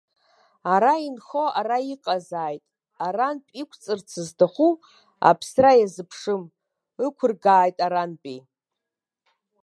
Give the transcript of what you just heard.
Ара инхо ара иҟазааит, арантә иқәҵырц зҭаху, аԥсра иазыԥшым, ықәыргааит арантәи!